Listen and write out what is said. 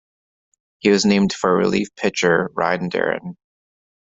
He was named for relief pitcher Ryne Duren.